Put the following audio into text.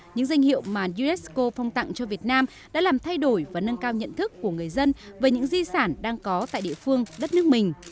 những danh hiệu mà unesco phong tặng cho việt nam đã làm thay đổi và nâng cao nhận thức của người dân về những di sản đang có tại địa phương đất nước mình